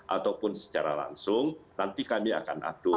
ataupun secara langsung nanti kami akan atur